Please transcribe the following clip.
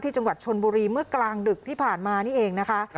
จังหวัดชนบุรีเมื่อกลางดึกที่ผ่านมานี่เองนะคะ